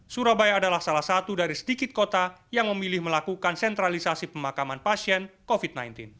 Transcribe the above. surabaya adalah salah satu dari sedikit kota yang memilih melakukan sentralisasi pemakaman pasien covid sembilan belas